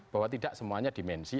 bahwa tidak semuanya dimensi